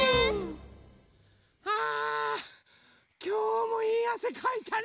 あきょうもいいあせかいたね。